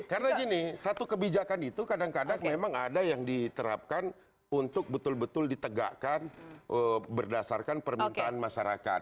karena gini satu kebijakan itu kadang kadang memang ada yang diterapkan untuk betul betul ditegakkan berdasarkan permintaan masyarakat